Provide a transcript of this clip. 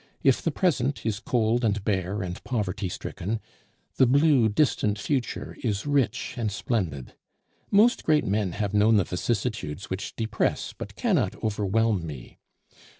If the present is cold and bare and poverty stricken, the blue distant future is rich and splendid; most great men have known the vicissitudes which depress but cannot overwhelm me.